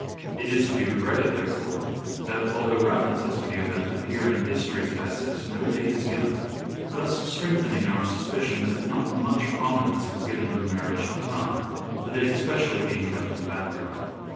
It is to be regretted, therefore, that although references to the event appear in histories of Essex, no date is given ; thus strength ening our suspicion that not much prominence was given to the marriage at the time : the date especially being kept in the background.